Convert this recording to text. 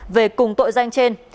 về cùng tội danh trên